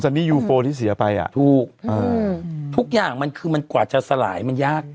ถูกทุกอย่างมันคือมันกว่าจะสลายมันยาก